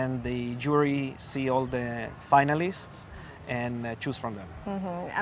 lalu juri melihat semua finalist dan memilih dari mereka